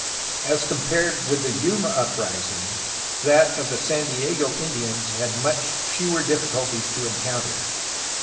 As compared with the Yuma uprising that of the San Diego Indians had much fewer difficulties to encounter.